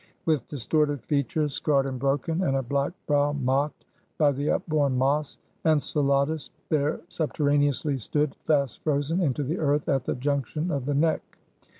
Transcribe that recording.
With distorted features, scarred and broken, and a black brow mocked by the upborn moss, Enceladus there subterraneously stood, fast frozen into the earth at the junction of the neck.